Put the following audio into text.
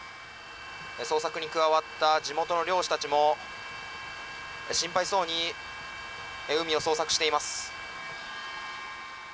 捜索に加わった地元の漁師たちも心配そうに海を捜索しています。